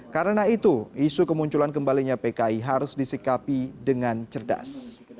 karena itu isu kemunculan kembalinya pki harus disikapi dengan cerdas